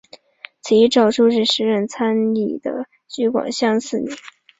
此一诏书是时任参议的橘广相所拟。